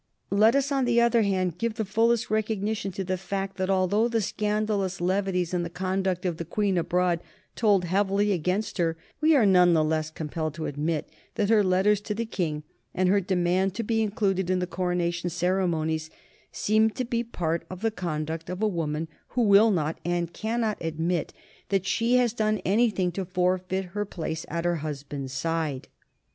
Let us, on the other hand, give the fullest recognition to the fact that although the scandalous levities in the conduct of the Queen abroad told heavily against her, we are none the less compelled to admit that her letters to the King, and her demand to be included in the Coronation ceremonies, seemed to be part of the conduct of a woman who will not and cannot admit that she has done anything to forfeit her place at her husband's side.